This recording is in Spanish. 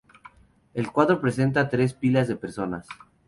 El cuadro presenta tres pilas de personas.